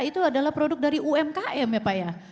itu adalah produk dari umkm ya pak ya